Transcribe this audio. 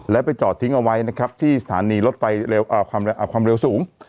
และไปจอดทิ้งเอาไว้ที่ฐานีรถไฟความเร็วสูง